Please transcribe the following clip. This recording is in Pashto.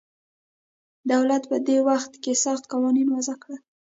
دولت په دې وخت کې سخت قوانین وضع کړل